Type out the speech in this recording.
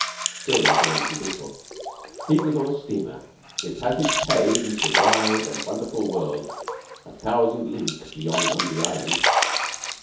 Still no sign from Beetle. He was on a steamer, his passage paid into the wide and wonderful world a thousand leagues beyond Lundy Island.